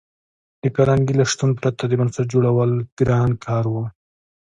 د کارنګي له شتون پرته د بنسټ جوړول ګران کار و